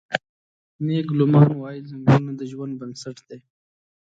مېګ لومان وايي: "ځنګلونه د ژوند بنسټ دی.